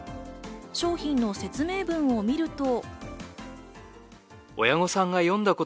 商品の説明文を見ると。